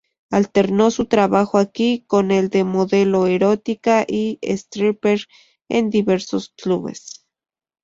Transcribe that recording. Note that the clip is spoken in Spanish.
Alternó su trabajo aquí con el de modelo erótica y stripper en diversos clubes.